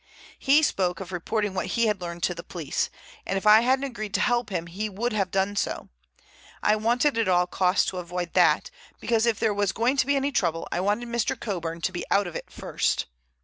He spoke of reporting what he had learned to the police, and if I hadn't agreed to help him he would have done so. I wanted at all costs to avoid that, because if there was going to be any trouble I wanted Mr. Coburn to be out of it first.